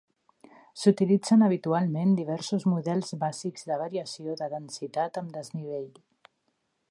S'utilitzen habitualment diversos models bàsics de variació de densitat amb desnivell.